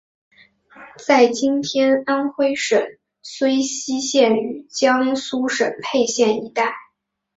在今天安微省睢溪县与江苏省沛县一带。